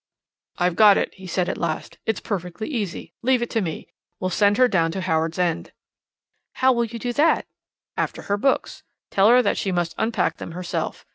"I've got it," he said at last. "It's perfectly easy. Leave it to me. We'll send her down to Howards End." "How will you do that?" "After her books. Tell her that she must unpack them herself.